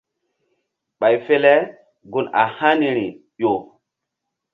Ɓay fe le gun a haniri ƴo.